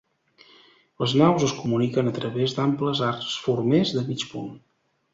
Les naus es comuniquen a través d'amples arcs formers de mig punt.